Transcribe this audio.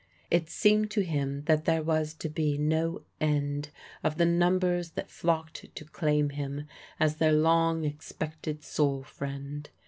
It seemed to him that there was to be no end of the numbers that flocked to claim him as their long expected soul friend.